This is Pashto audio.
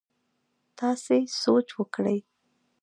تاسي سوچ وکړئ!